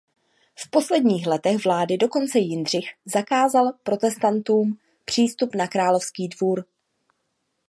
V posledních letech vlády dokonce Jindřich zakázal protestantům přístup na královský dvůr.